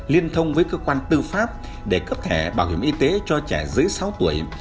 liên thông với cơ quan tư pháp để cấp thẻ bảo hiểm y tế cho trẻ dưới sáu tuổi